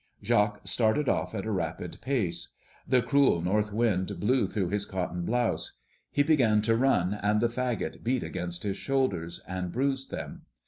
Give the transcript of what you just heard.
Jacques started off at a rapid pace. The cruel north wind blew through his cotton blouse. He began to run, and the fagot beat against his shoulders and bruised them.